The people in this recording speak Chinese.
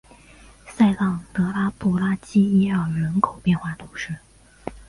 圣让德拉布拉基耶尔人口变化图示